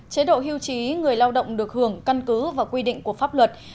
chế độ hưu trí người lao động được hưởng căn cứ và quy định của pháp luật